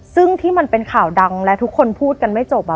ซึ่งที่มันเป็นข่าวดังและทุกคนพูดกันไม่จบ